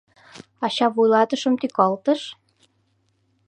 Ача вуйлатышым тӱкалтыш: